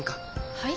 はい？